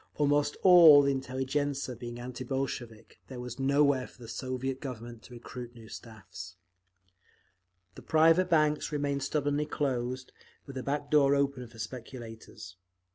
Almost all the intelligentzia being anti Bolshevik, there was nowhere for the Soviet Government to recruit new staffs…. The private banks remained stubbornly closed, with a back door open for speculators.